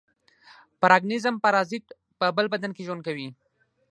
پارګانېزم پارازیت په بل بدن کې ژوند کوي.